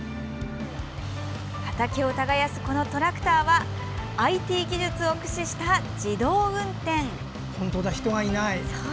畑を耕すこのトラクターはＩＴ技術を駆使した自動運転。